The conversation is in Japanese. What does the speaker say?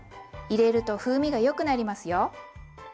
入れると風味がよくなりますよ。